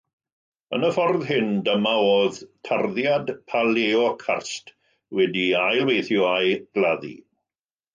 Yn y ffordd hyn, dyma oedd tarddiad paleocarst wedi ei ail-weithio a'i gladdu.